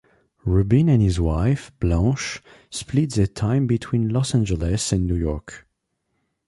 Rubin and his wife, Blanche, split their time between Los Angeles and New York.